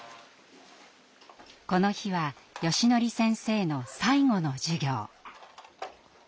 この日はよしのり先生の最後の授業。